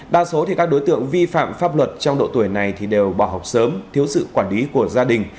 đa số các đối tượng vi phạm pháp luật trong độ tuổi này đều bỏ học sớm thiếu sự quản lý của gia đình